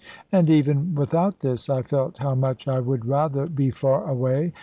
And even without this I felt how much I would rather be far away.